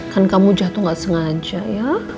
kan kamu jatuh nggak sengaja ya